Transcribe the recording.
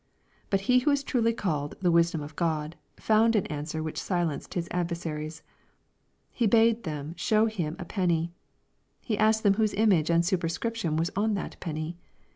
But He who is truly called '^ the wisdom of God,'' found an answer which silenced His adversaries. He bade them show Him a penny. He asked them whose image and superscription was on that penny